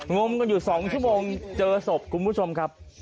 งมกันอยู่๒ชั่วโมงเจอศพคุณผู้ชมครับ